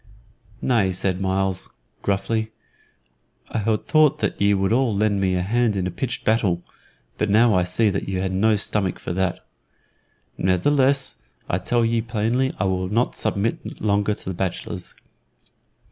"Nay," said Myles, gruffly. "I had thought that ye would all lend me a hand in a pitched battle but now I see that ye ha' no stomach for that. Ne'theless, I tell ye plainly I will not submit longer to the bachelors.